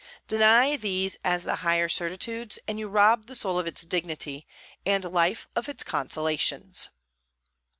Deny these as the higher certitudes, and you rob the soul of its dignity, and life of its consolations.